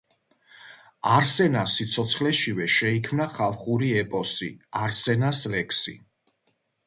არსენას სიცოცხლეშივე შეიქმნა ხალხური ეპოსი „არსენას ლექსი“.